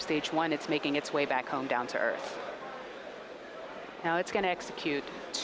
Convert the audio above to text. stage pertama berjalan sekitar dua tiga ratus meter per saat